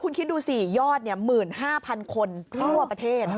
คุณคิดดูสิยอด๑๕๐๐๐คนทั่วประเทศ